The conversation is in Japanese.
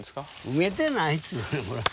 埋めてないんだ。